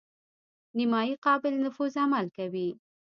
نیمه قابل نفوذ عمل کوي.